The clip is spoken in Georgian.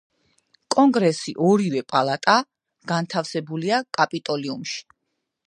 კონგრესი ორივე პალატა განთავსებულია კაპიტოლიუმში.